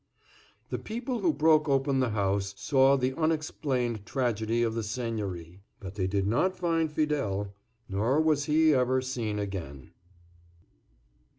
The people who broke open the house saw the unexplained tragedy of the Seigniory, but they did not find Fidele, nor was he ever seen again.